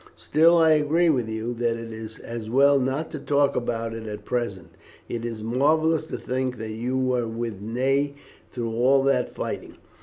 Still, I agree with you that it is as well not to talk about it at present. It is marvellous to think that you were with Ney through all that fighting.